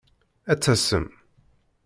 Ad tasem.